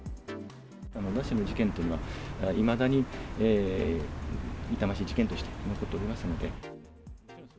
野田市の事件というのは、いまだに痛ましい事件として残っておりますので。